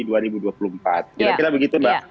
kira kira begitu mbak